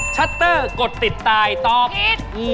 ชัตเตอร์กดติดตายตอบ